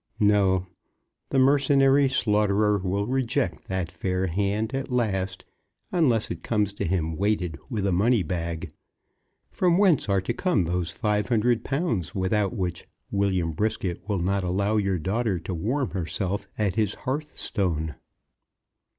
"No. The mercenary slaughterer will reject that fair hand at last, unless it comes to him weighted with a money bag. From whence are to come those five hundred pounds without which William Brisket will not allow your daughter to warm herself at his hearthstone?"